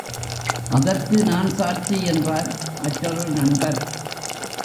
அதற்கு நான் சாட்சி என்றார் மற்றொரு நண்பர்.